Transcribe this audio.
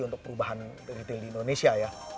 untuk perubahan ritel di indonesia